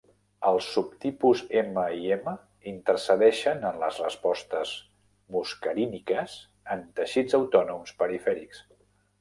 Els subtipus M i M intercedeixen en les respostes muscaríniques en teixits autònoms perifèrics.